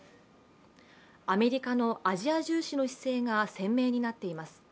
アメリカのアジア重視の姿勢が鮮明になっています。